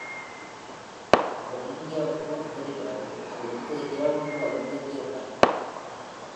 அது வீங்கிது போல் தெரிகிறது. இது இரவு முழுவதும் வீங்கியிருக்கலாம்.